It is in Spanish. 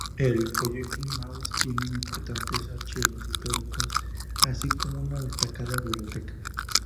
El "Collegium Maius" tiene importantes archivos históricos, así como una destacada biblioteca.